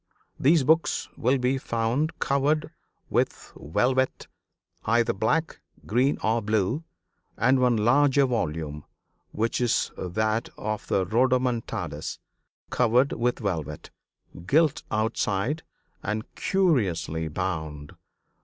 These books will be found covered with velvet, either black, green or blue, and one larger volume, which is that of the Rodomontades, covered with velvet, gilt outside and curiously bound.